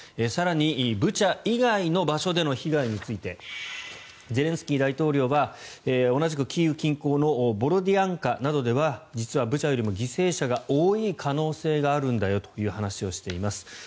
更にブチャ以外の場所での被害についてゼレンスキー大統領は同じくキーウ近郊のボロディアンカなどでは実はブチャよりも犠牲者が多い可能性があるんだよという話をしています。